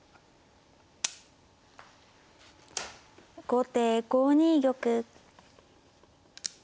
後手５二玉。